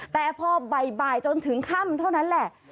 แต่พอบ่ายจนถึงค่ำเท่านั้นแหละ